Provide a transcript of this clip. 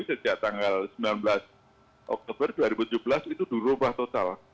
sejak tanggal sembilan belas oktober dua ribu tujuh belas itu dirubah total